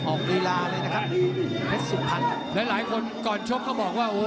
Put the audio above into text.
ออกฤลาเลยนะครับเผ็ดสุภัณฑ์แล้วหลายคนก่อนชบก็บอกว่าโอ้